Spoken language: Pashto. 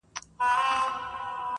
کرۍ ورځ ګرځي د کلیو پر مردارو-